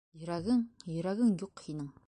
Йөрәгең... йөрәгең юҡ һинең!